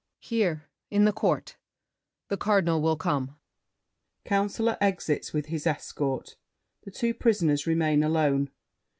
Here in the court. The Cardinal will come. [Councilor exits with his escort. The two prisoners remain alone.